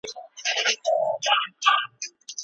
د فراغت سند بې اسنادو نه ثبت کیږي.